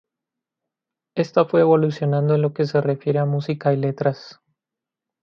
Esta fue evolucionando en lo que se refiere a música y letras.